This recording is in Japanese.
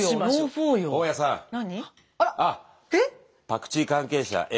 パクチー関係者